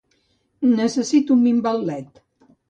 Necessito minvar el led.